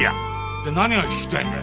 で何が聞きたいんだ？